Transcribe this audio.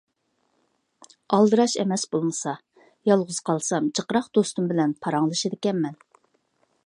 ئالدىراش ئەمەس بولمىسا. يالغۇز قالسام جىقراق دوستۇم بىلەن پاراڭلىشىدىكەنمەن.